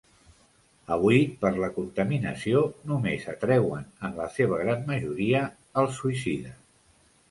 Avui per la contaminació, només atreuen en la seva gran majoria els suïcides.